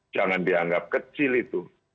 jangan dianggap kecil itu